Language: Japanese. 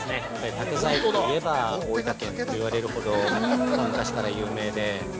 竹細工といえば大分県といわれるほど、昔から有名で。